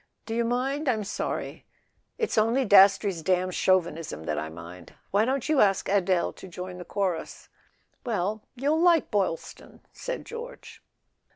"Do you mind? I'm sorry." "It's only Dastrey's damned chauvinism that I mind. Why don't you ask Adele to join the chorus?" "Well—you'll like Boylston," said George.